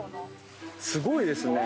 すごいですね。